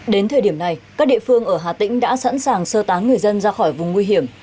đến thời điểm này các địa phương ở hà tĩnh đã sẵn sàng sơ tán người dân ra khỏi vùng nguy hiểm